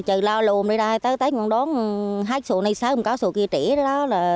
trừ lo lồn đi đây tới tết còn đón hách sổ này sớm có sổ kia trĩ đó